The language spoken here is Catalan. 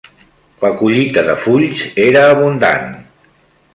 La collita de fulls era abundant